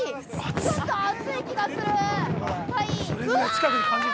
ちょっと熱い気がする！